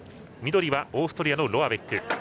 緑はオーストリアのロアベック。